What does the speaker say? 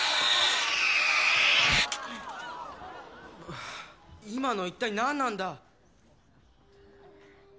はぁ今の一体何なんだ！